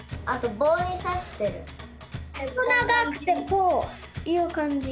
ほそながくてこういうかんじ。